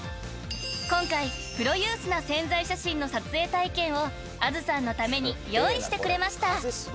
［今回プロユースな宣材写真の撮影体験を安珠さんのために用意してくれました］